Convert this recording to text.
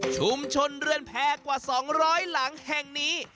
ชุมชนเรือนแผ่กว่า๒๐๐หลังแห่งนี้